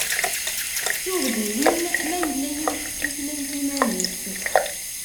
Turdiwin: Ma yella yiwet n tutlayt iman-is!